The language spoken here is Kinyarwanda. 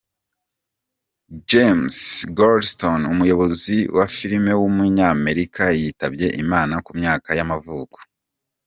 James Goldstone, umuyobozi wa filime w’umunyamerika yitabye Imana ku myaka y’amavuko.